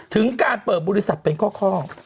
ถึงการเปิดบริษัทเป็นข้อ